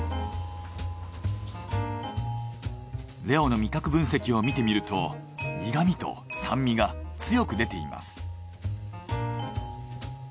レオの味覚分析を見てみると苦味と酸味が強く出ています。